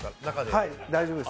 あっ、大丈夫です。